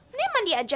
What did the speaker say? mending mandi aja